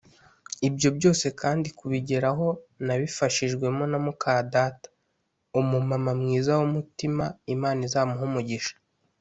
Ibyo byose kandi kubigeraho nabifashijwemo na mukadata (Umumama mwiza w’umutima Imana izamuhe Umugisha)